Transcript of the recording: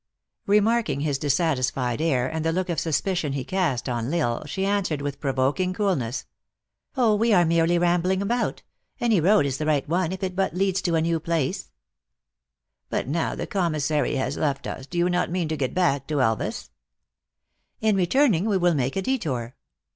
Remarking his dissatisfied air, and the look of sus picion he cast on L Isle, she answered, with provoking coolness, " Oh, we are merely rambling about;. any road is the right one, if it but leads to a new place." 192 THE ACTRESS IN HIGH LIFE. " But now the commissary has left us, do you not mean to go back to Elvas ?"" In returning we will make a detour."